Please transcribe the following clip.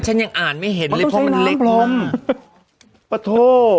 ฉันยังอ่านไม่เห็นเลยเพราะมันเล็กมากมันต้องใช้น้ำพลมประโทษ